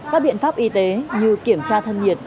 các biện pháp y tế như kiểm tra thân nhiệt